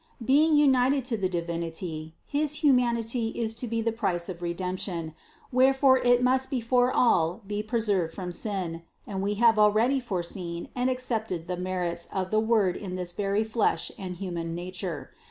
Being united to the Divinity his humanity is to be the price of Redemp tion, wherefore it must before all be preserved from sin, THE CONCEPTION 165 and We have already foreseen and accepted the merits of the Word in this very flesh and human nature.